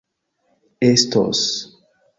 estos